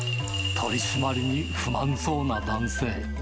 取締りに不満そうな男性。